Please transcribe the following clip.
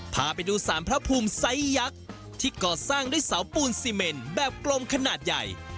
พาไปดูสารพระภูมิไซส์ยักษ์ที่ก่อสร้างด้วยเสาปูนซีเมนแบบกลมขนาดใหญ่